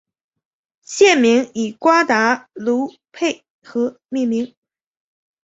县名以瓜达卢佩河命名。